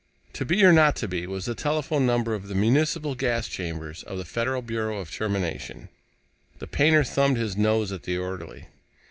"To be or not to be" was the telephone number of the municipal gas chambers of the Federal Bureau of Termination. The painter thumbed his nose at the orderly.